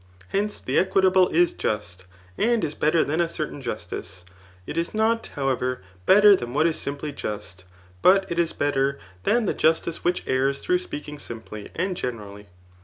Hence, the equitable is just, and is better than a certain .justice. It is not, however, better than what is simply just, but it is better than the justice which errs through speaking simply [and generally.